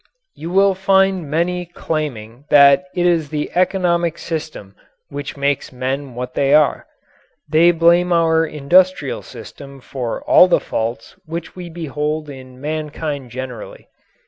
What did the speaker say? You will find many claiming that it is the economic system which makes men what they are. They blame our industrial system for all the faults which we behold in mankind generally.